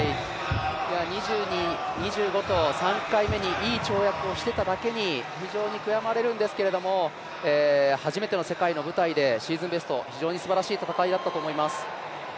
２２、２５と３回目にいい跳躍をしていただけに非常に悔やまれるんですけども初めての世界の舞台でシーズンベスト、非常にすばらしい戦いだったと思います。